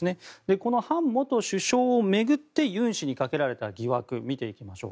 このハン元首相を巡ってユン氏にかけられた疑惑見ていきましょう。